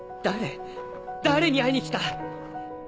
誰に会いに来た？